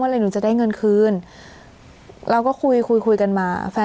เมื่อไหร่หนูจะได้เงินคืนเราก็คุยกันมา